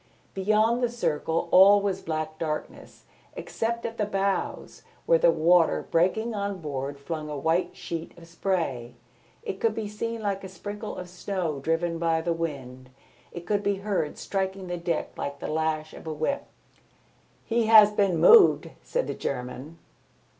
Beyond the circle all was black darkness, except at the bows, where the water breaking on board flung a white sheet of spray. It could be seen like a sprinkle of snow driven by the wind, it could be heard striking the deck like the lash of a whip. "He has been moved," said the German.